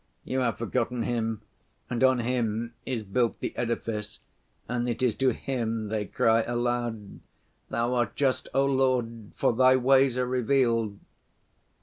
You have forgotten Him, and on Him is built the edifice, and it is to Him they cry aloud, 'Thou art just, O Lord, for Thy ways are revealed!